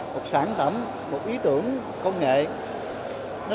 một sản tẩm một ý tưởng công nghệ